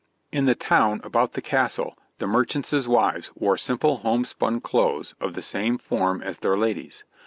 In the town about the castle the merchants' wives wore simple homespun clothes of the same form as their ladies.